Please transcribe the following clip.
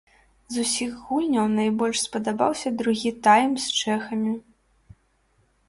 З усіх гульняў найбольш спадабаўся другі тайм з чэхамі.